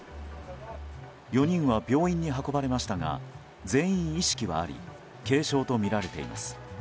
４人は病院に運ばれましたが全員、意識はあり軽傷とみられています。